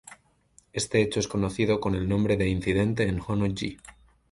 Este hecho es conocido con el nombre de Incidente en Honnō-ji.